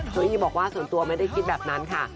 เก้าอี้บอกว่าส่วนตัวไม่ได้คิดแบบนั้นค่ะ